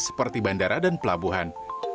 seperti bandara dan pelabuhan